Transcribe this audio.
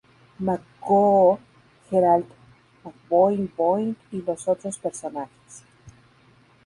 Magoo, Gerald McBoing-Boing y los otros personajes.